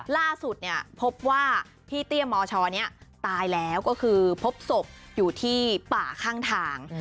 ล่าสุดเนี่ยพบว่าพี่เตี้ยมชนี้ตายแล้วก็คือพบศพอยู่ที่ป่าข้างทาง